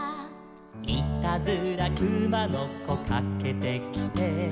「いたずらくまのこかけてきて」